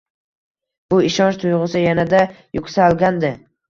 Bu ishonch tuyg‘usi yanada yuksalgandi